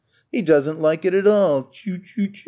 "He doesn't like it at all! Chu, chu, chu!